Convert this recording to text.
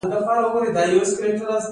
ځنغوزي ونه څومره وخت کې میوه نیسي؟